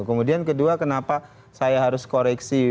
kemudian kedua kenapa saya harus koreksi